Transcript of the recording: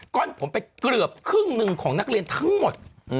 ก้อนผมไปเกือบครึ่งหนึ่งของนักเรียนทั้งหมด